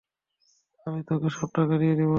আমি তোকে সব টাকা দিয়ে দেব।